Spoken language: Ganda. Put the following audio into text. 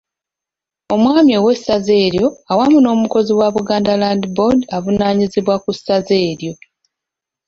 Omwami ow'Essaza eryo awamu n'omukozi wa Buganda Land Board avunaanyizibwa ku Ssaza eryo.